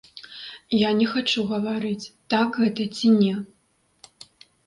Я не хачу гаварыць, так гэта ці не.